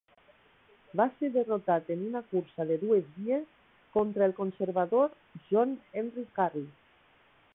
Va ser derrotat en una cursa de dues vies contra el conservador John Henry Harris.